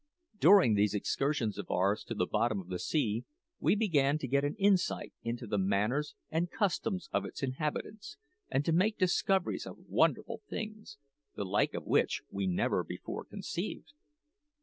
During these excursions of ours to the bottom of the sea we began to get an insight into the manners and customs of its inhabitants, and to make discoveries of wonderful things, the like of which we never before conceived.